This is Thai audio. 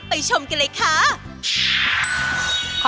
ชมกันเลยค่ะ